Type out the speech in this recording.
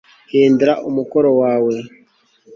hindura umukoro wawe